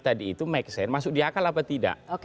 tadi itu make sense masuk di akal apa tidak